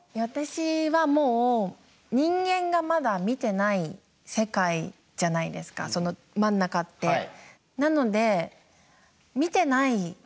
私はもう人間がまだ見てない世界じゃないですかその真ん中って。